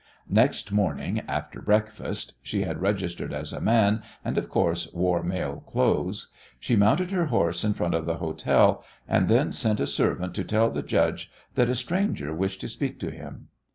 Next morning after breakfast she had registered as a man, and, of course wore male clothes she mounted her horse in front of the hotel, and then sent a servant to tell the judge that a stranger wished to speak to him.